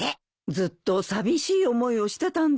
ずっと寂しい思いをしてたんだね。